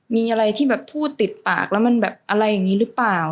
มีอะไรที่แบบพูดติดปากแล้วมันแบบอะไรอย่างนี้หรือเปล่า